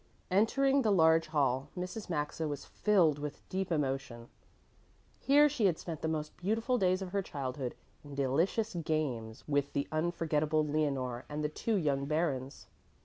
Entering the large hall, Mrs. Maxa was filled with deep emotion. Here she had spent the most beautiful days of her childhood in delicious games with the unforgettable Leonore and the two young Barons.